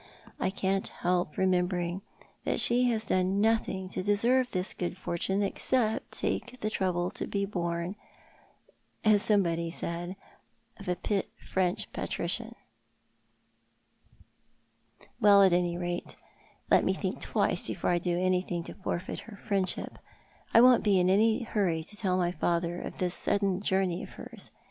I can't help remembering that she has done nothing to deserve this good fortune except take the trouble to bo born, as somebody said of a French patrician. AVell, at any rate, let me think twice before I do anything to forfeit her friendship. I won't be in any hurry to tell my lather of this sudden journey of hers.